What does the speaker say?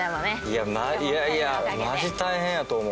いやいやマジ大変やと思う。